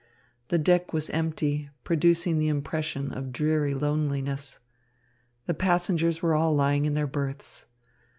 The deck was empty, producing the impression of dreary loneliness. The passengers were all lying in their berths.